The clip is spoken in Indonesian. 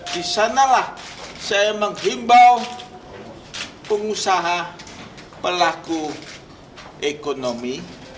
di sanalah saya menghimbau pengusaha pelaku ekonomi